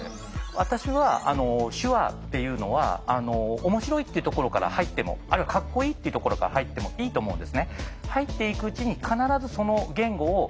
私は手話っていうのは面白いっていうところから入ってもあるいはかっこいいっていうところから入ってもいいと思うんですね。